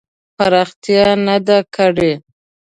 پراختیا نه ده کړې.